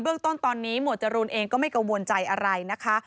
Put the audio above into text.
เรื่องต้นตอนนี้หมวดจรูนเองก็ไม่กังวลใจอะไรนะคะ